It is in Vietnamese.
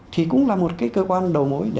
thì cũng là một cơ quan đầu mối